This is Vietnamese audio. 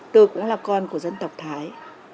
tôi cũng là con của dân tộc thái